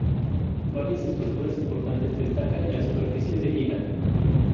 Varias estructuras importantes destacan en la superficie de Ida.